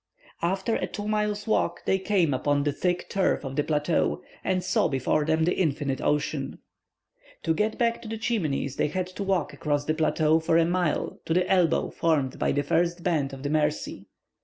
After a two miles' walk they came upon the thick turf of the plateau, and saw before them the infinite ocean. To get back to the Chimneys they had to walk across the plateau for a mile to the elbow formed by the first bend of the Mercy.